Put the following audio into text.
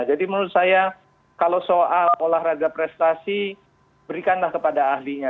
jadi menurut saya kalau soal olahraga prestasi berikanlah kepada ahlinya